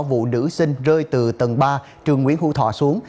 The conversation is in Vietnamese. vụ nữ sinh rơi từ tầng ba trường nguyễn hữu thọ xuống